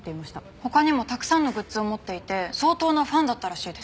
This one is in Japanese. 他にもたくさんのグッズを持っていて相当なファンだったらしいです。